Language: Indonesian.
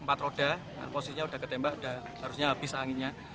tempat pak polisi untuk melumpuhkan empat roda posisinya sudah ketembak harusnya habis anginnya